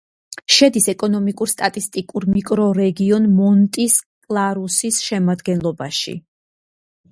შედის ეკონომიკურ-სტატისტიკურ მიკრორეგიონ მონტის-კლარუსის შემადგენლობაში.